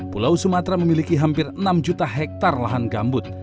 pulau sumatera memiliki hampir enam juta hektare lahan gambut